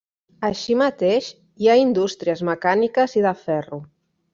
Així mateix, hi ha indústries mecàniques i de ferro.